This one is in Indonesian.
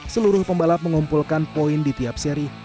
seluruh pembalap mengumpulkan poin di tiap seri